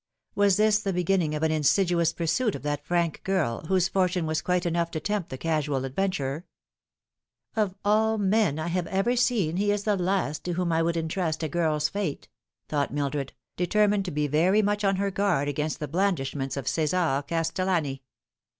Was this the beginning of an insidious pursuit of that frank girl, whose fortune was quite enough to tempt the casual adventurer ?" Of all men I have ever seen he is the last to whom I would intrust a girl's fate," thought Mildred, determined to be very much on her guard against the blandishments of Cesar Castel lani.